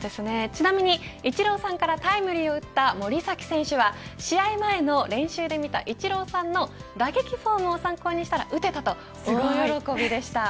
ちなみに、イチローさんからタイムリーを打った森崎選手は試合前の練習で見たイチローさんの打撃フォームを参考にしたら打てたと大喜びでした。